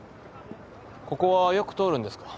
ここはよく通るんですか？